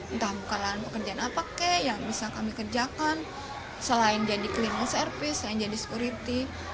entah buka lahan pekerjaan apa kek yang bisa kami kerjakan selain jadi cleaning service yang jadi security